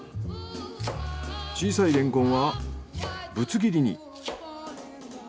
小さいレンコンはぶつ切りに。